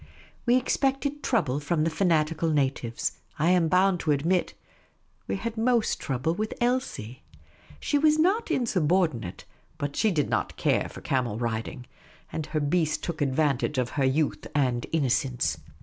We expected trouble from the fanatical natives ; I am bound to admit, we had most trouble with Elsie. She was not insubordinate, but she did not care for camel riding. And her beast took advantage of her youth and innocence.